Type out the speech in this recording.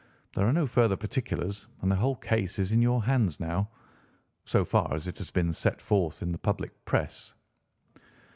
There are no further particulars, and the whole case is in your hands now—so far as it has been set forth in the public press."